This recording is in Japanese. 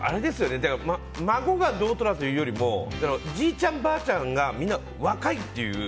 孫がどうというよりもじいちゃん、ばあちゃんがみんな若いっていう。